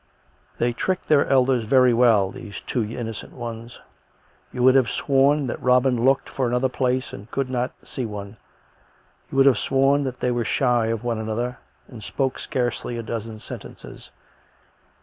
They tricked their elders very well, these two innocent ones. You would have sworn that Robin looked for another place and could not see one, you would have sworn that they were shy of one another, and spoke scarcely a dozen sentences.